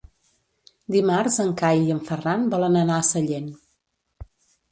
Dimarts en Cai i en Ferran volen anar a Sallent.